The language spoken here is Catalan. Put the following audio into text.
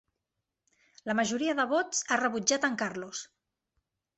La majoria de vots ha rebutjat en Carlos!